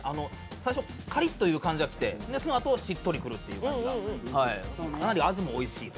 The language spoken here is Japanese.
最初、カリッという感じがきて、そのあとしっとりくるという、かなり味もおいしい。